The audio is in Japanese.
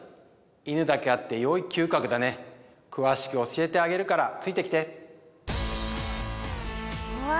犬だけあって良い嗅覚だね詳しく教えてあげるからついてきてうわ